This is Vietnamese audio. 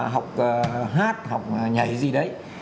học hát học nhảy gì đấy